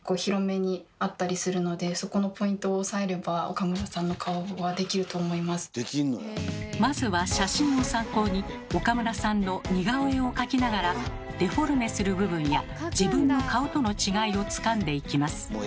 岡村さんの顔はまずは写真を参考に岡村さんの似顔絵を描きながらデフォルメする部分や自分の顔との違いをつかんでいきます。